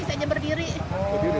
saya aja berdiri